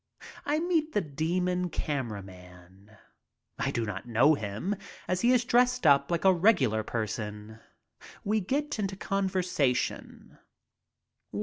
I meet the demon camera man. I do not know him, as he is dressed up Uke a regular person. We get into conversa tion.